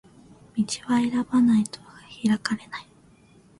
道は選ばないと開かれない